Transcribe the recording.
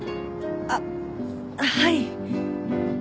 あっはい。